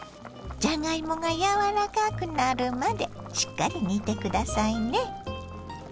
じゃがいもが柔らかくなるまでしっかり煮て下さいね。